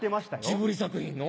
ジブリ作品の？